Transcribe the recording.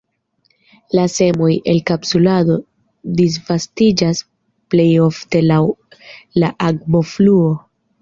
La semoj, el kapsulo, disvastiĝas plejofte laŭ la akvofluo.